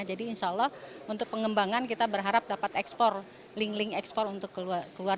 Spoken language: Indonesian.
jadi insya allah untuk pengembangan kita berharap dapat ekspor link link ekspor untuk keluar